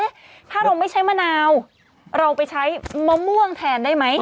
ถ้าเราไม่ใช้มะนาวเราไปใช้มะม่วงแทนได้ไหม